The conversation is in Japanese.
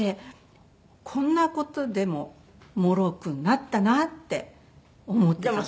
こんな事でももろくなったなって思ってたんです。